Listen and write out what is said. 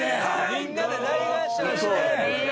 みんなで大合唱して。